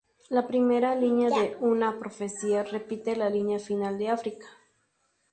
La primera línea de "Una profecía" repite la línea final de "África".